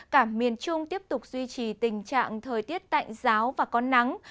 cả miền trung tiếp tục duy trì tình trạng thời tiết tạnh giáo và có nắng